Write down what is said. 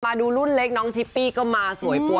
มาดูรุ่นเล็กน้องชิปปี้ก็มาสวยปัว